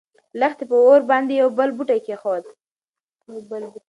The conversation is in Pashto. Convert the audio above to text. لښتې په اور باندې يو بل بوټی کېښود.